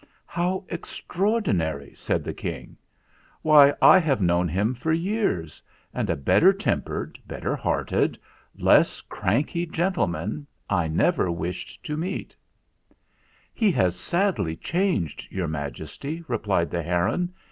"How extraordinary!" said the King. "Why, I have known him for years, and a bet ter tempered, better hearted, less cranky gen tlemen I never wished to meet." 284 THE FLINT HEART "He has sadly changed, Your Majesty," re plied the heron.